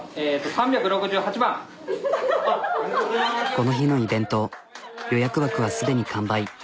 この日のイベント予約枠は既に完売。